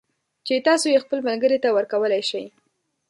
چې تاسو یې خپل ملگري ته ورکولای شئ